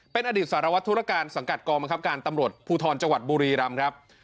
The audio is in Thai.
เป็นอดีตสารวัตรธุรการสังกัดกองบังคับการตำรวจภูทรจังหวัดบุรีรำครับ